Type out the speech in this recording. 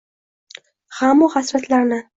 G’amu hasratlarni